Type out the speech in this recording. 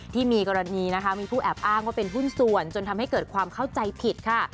ที่มีกรณีนะคะมีผู้แอบอ้างว่าเป็นหุ้นส่วนจนทำให้เกิดความเข้าใจผิดค่ะ